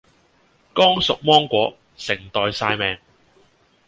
剛熟芒果，成袋曬命